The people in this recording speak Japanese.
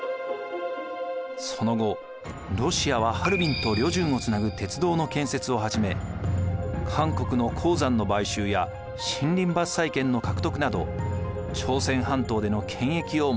その後ロシアはハルビンと旅順をつなぐ鉄道の建設を始め韓国の鉱山の買収や森林伐採権の獲得など朝鮮半島での権益を求めます。